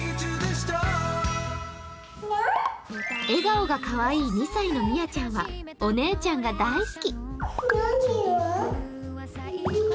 笑顔がかわいい２歳のみあちゃんはお姉ちゃんが大好き。